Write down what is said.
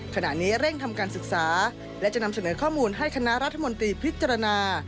ขณะนี้เร่งทำการศึกษาและจะนำเสนอข้อมูลให้คณะรัฐมนตรีพิจารณา